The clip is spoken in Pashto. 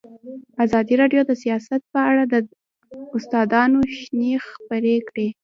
ازادي راډیو د سیاست په اړه د استادانو شننې خپرې کړي.